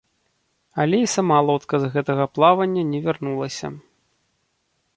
Але і сама лодка з гэтага плавання не вярнулася.